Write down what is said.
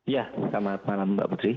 ya selamat malam mbak putri